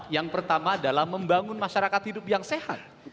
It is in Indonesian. yang pertama adalah membangun masyarakat hidup yang sehat